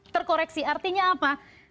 terkoreksi artinya apa